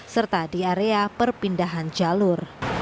serta di area perpindahan jalur